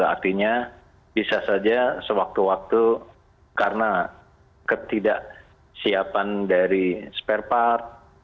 artinya bisa saja sewaktu waktu karena ketidaksiapan dari spare part